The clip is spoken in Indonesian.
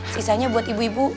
sisanya buat ibu ibu